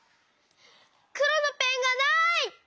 くろのペンがない！